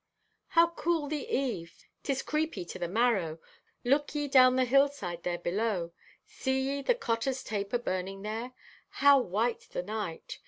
"How cool the eve! 'Tis creepy to the marrow. Look ye down the hillside there below. See ye the cotter's taper burning there? How white the night!